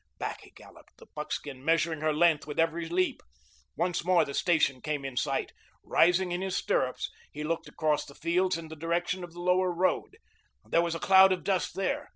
Back he galloped, the buckskin measuring her length with every leap. Once more the station came in sight. Rising in his stirrups, he looked across the fields in the direction of the Lower Road. There was a cloud of dust there.